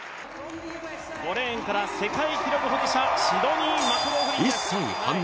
５レーンから世界記録保持者シドニー・マクローフリン。